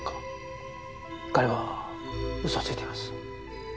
彼は嘘をついています。